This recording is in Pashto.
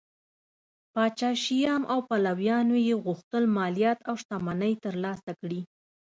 پاچا شیام او پلویانو یې غوښتل مالیات او شتمنۍ ترلاسه کړي